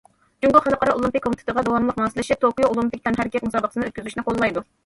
جۇڭگو خەلقئارا ئولىمپىك كومىتېتىغا داۋاملىق ماسلىشىپ، توكيو ئولىمپىك تەنھەرىكەت مۇسابىقىسىنى ئۆتكۈزۈشنى قوللايدۇ.